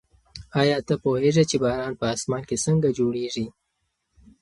ایا ته پوهېږې چې باران په اسمان کې څنګه جوړېږي؟